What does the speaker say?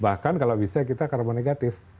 bahkan kalau bisa kita karbon negatif